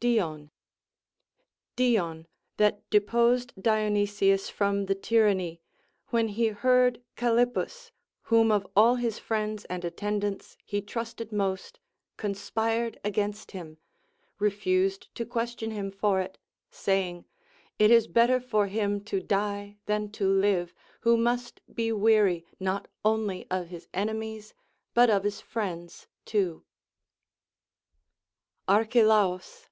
Dion. Dion, that deposed Dionysius from the tyranny, when he heard Callippus, whom of all his friends and attendants he trusted most, conspired against him, refused to question him for it, saying : It is better for him to die than to live, who must be weary not only of his enemies, but of his friends too. Archelaus.